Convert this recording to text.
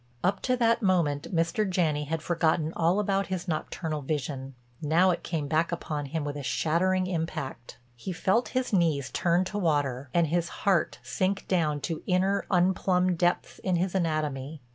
Up to that moment Mr. Janney had forgotten all about his nocturnal vision; now it came back upon him with a shattering impact. He felt his knees turn to water and his heart sink down to inner, unplumbed depths in his anatomy.